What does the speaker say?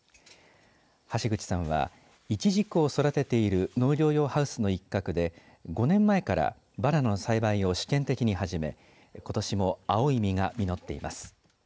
橋口さんはイチジクを育てている農業用ハウスの一角で５年前からバナナの栽培を試験的に始めことしも青い実が実っています。